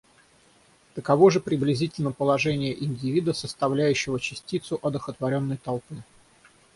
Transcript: Таково же приблизительно положение индивида, составляющего частицу одухотворенной толпы.